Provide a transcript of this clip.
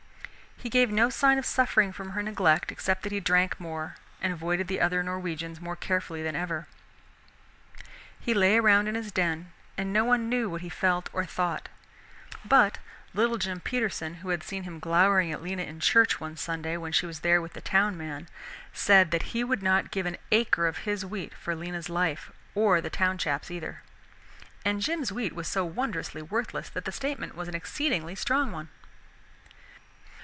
He gave no sign of suffering from her neglect except that he drank more and avoided the other Norwegians more carefully than ever, He lay around in his den and no one knew what he felt or thought, but little Jim Peterson, who had seen him glowering at Lena in church one Sunday when she was there with the town man, said that he would not give an acre of his wheat for Lena's life or the town chap's either; and Jim's wheat was so wondrously worthless that the statement was an exceedingly strong one.